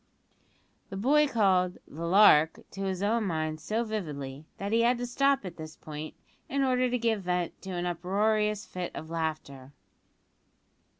The boy recalled "the lark" to his own mind so vividly, that he had to stop at this point, in order to give vent to an uproarious fit of laughter.